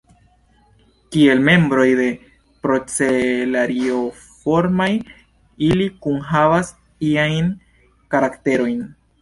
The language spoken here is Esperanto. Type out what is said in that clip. Kiel membroj de Procelarioformaj, ili kunhavas iajn karakterojn.